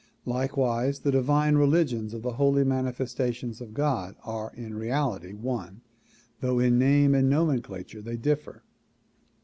Likewise the divine religions of the holy manifestations of God are in reality one though in name and nomenclature they differ.